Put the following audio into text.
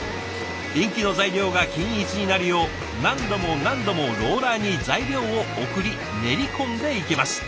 インキの材料が均一になるよう何度も何度もローラーに材料を送り練り込んでいきます。